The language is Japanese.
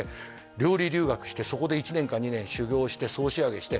「料理留学してそこで１年か２年修業して総仕上げして」